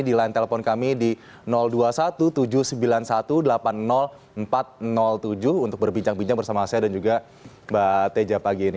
di lain telpon kami di dua puluh satu tujuh ratus sembilan puluh satu delapan puluh empat tujuh untuk berbincang bincang bersama saya dan juga mbak teja pagi ini